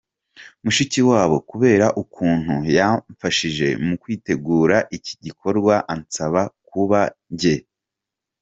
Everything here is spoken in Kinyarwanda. Mushikiwabo kubera ukuntu yamfashije mu kwitegura iki gikorwa ansaba kuba jye.